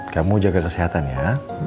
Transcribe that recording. kamu jaga kesehatan ya